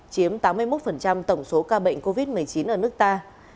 chiếm tám mươi một tổng số ca bệnh covid một mươi chín ở nước ta